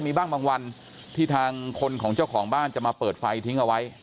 มีบ้างบางวันที่ทางคนของเจ้าของบ้านจะมาเปิดไฟทิ้งเอาไว้